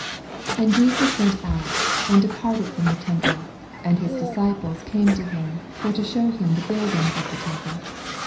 1 And Jesus went out, and departed troia the temple: and his disciples came to him for to shew him the building of the temple.